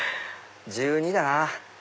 １２だな。